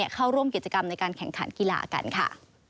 เข้าร่วมกิจกรรมในการแข่งขันกีฬากันค่ะ